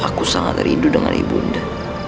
aku sangat rindu dengan ibu anda